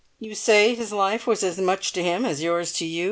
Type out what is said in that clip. "You say his life was as much to him as yours to you?